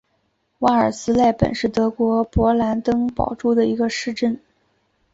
瓦尔斯莱本是德国勃兰登堡州的一个市镇。